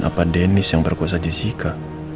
apa dennis yang berkuasa jessica